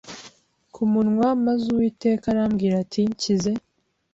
ku munwa maze Uwiteka arambwira ati Nshyize